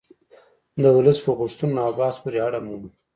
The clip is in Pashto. د ولس په غوښتنو او بحث پورې اړه مومي